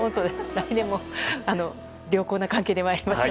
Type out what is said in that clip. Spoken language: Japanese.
来年も良好な関係でいましょう。